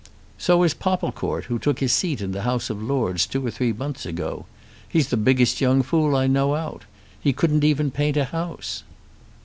"So is Popplecourt, who took his seat in the House of Lords two or three months ago. He's the biggest young fool I know out. He couldn't even paint a house."